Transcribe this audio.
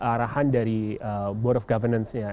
arahan dari board of governance nya